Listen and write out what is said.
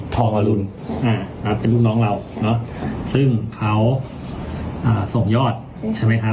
อรุณเป็นลูกน้องเราเนอะซึ่งเขาส่งยอดใช่ไหมคะ